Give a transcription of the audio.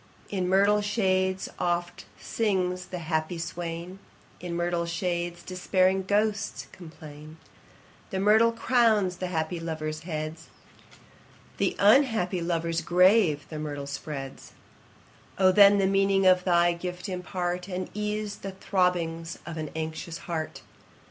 In myrtle shades oft sings the happy swain, In myrtle shades despairing ghosts complain; The myrtle crowns the happy lovers' heads, The unhappy lovers' grave the myrtle spreads: O then the meaning of thy gift impart, And ease the throbbings of an anxious heart!